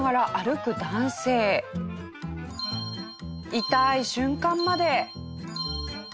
イタい瞬間まで。